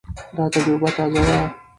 دا تجربه تازه ده.